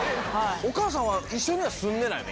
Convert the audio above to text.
お母さんは一緒には住んでないの？